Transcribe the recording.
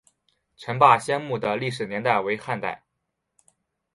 陈霸先墓的历史年代为汉代。